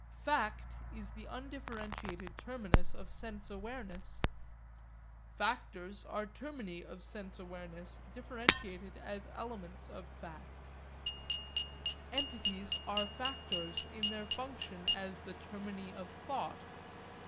Fact is the undifferentiated terminus of sense awareness; factors are termini of sense awareness, differentiated as elements of fact; entities are factors in their function as the termini of thought.